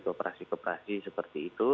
koperasi koperasi seperti itu